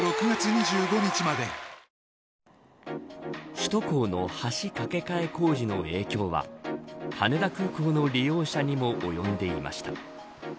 首都高の橋架け替え工事の影響は羽田空港の利用者にも及んでいました。